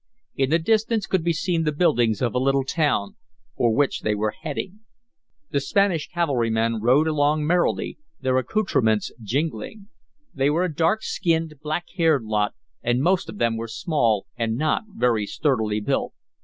In the distance could be seen the buildings of a little town, for which they were heading. The Spanish cavalrymen rode along merrily, their accoutrements jingling. They were a dark skinned, black haired lot, and most of them were small, and not very sturdily built.